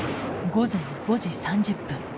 午前５時３０分。